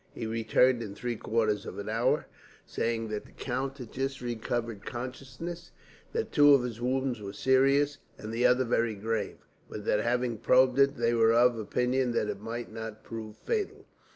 He returned in three quarters of an hour, saying that the count had just recovered consciousness; that two of his wounds were serious, and the other very grave; but that having probed it, they were of opinion that it might not prove fatal.